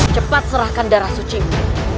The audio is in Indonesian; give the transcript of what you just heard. cepat serahkan darah sucimu